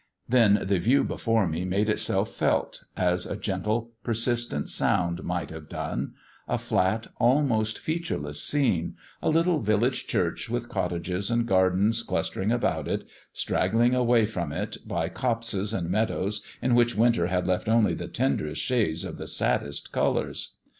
Then the view before me made itself felt, as a gentle persistent sound might have done: a flat, almost featureless scene a little village church with cottages and gardens clustering about it, straggling away from it, by copses and meadows in which winter had left only the tenderest shades of the saddest colours.